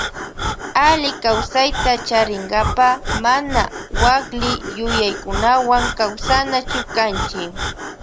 Allikawsayta charinkapa mana wakli yuyaykunawan kawsanachu kanchi.